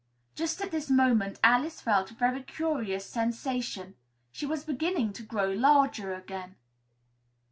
Just at this moment Alice felt a very curious sensation she was beginning to grow larger again.